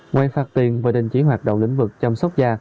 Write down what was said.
ngoài phạt tiền và đình chỉ hoạt động lĩnh vực chăm sóc da